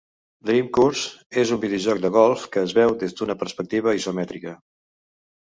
"Dream Course" és un videojoc de golf que es veu des d'una perspectiva isomètrica.